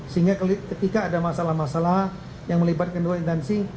sehingga ketika ada masalah masalah yang melibatkan dua intansi